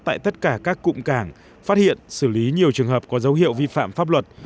tại tất cả các cụm cảng phát hiện xử lý nhiều trường hợp có dấu hiệu vi phạm pháp luật